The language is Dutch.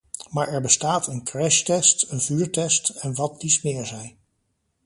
Maar er bestaat een crash-test, een vuurtest, en wat dies meer zij.